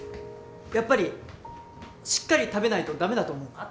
やっぱりしっかり食べないと駄目だと思う。